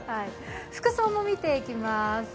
服装も見ていきます。